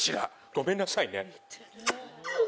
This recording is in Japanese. ごめんなさいね。